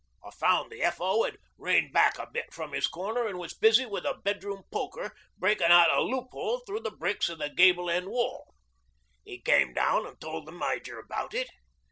I found the F.O. 'ad reined back a bit from 'is corner an' was busy wi' the bedroom poker breakin' out a loophole through the bricks of the gable end wall. 'E came down an' told the Major about it.